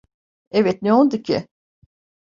Evet, ne oldu ki?